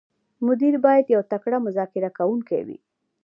مدیر باید یو تکړه مذاکره کوونکی وي.